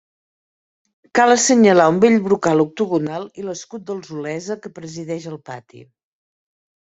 Cal assenyalar un bell brocal octogonal i l’escut dels Olesa, que presideix el pati.